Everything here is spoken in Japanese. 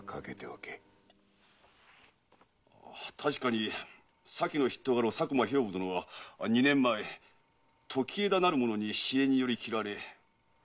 あぁ確かに先の筆頭家老佐久間兵部殿は二年前時枝なる者に私怨により斬られ果てております。